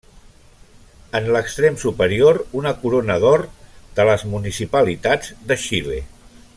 En l'extrem superior una corona d'or de les Municipalitats de Xile.